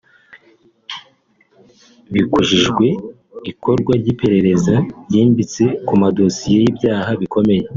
Bibukijwe ikorwa ry’iperereza ryimbitse ku madosiye y’ibyaha bikomeye